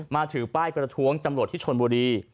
ถือป้ายประท้วงตำรวจที่ชนบุรี